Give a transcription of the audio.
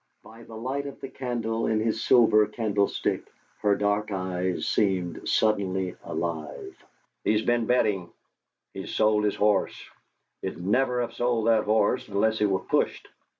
By the light of the candle in his silver candlestick her dark eyes seemed suddenly alive. "He's been betting; he's sold his horse. He'd never have sold that horse unless he were pushed.